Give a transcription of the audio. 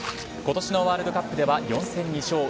今年のワールドカップでは４戦２勝。